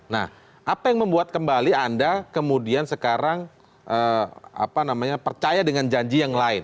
nah apa yang membuat kembali anda kemudian sekarang percaya dengan janji yang lain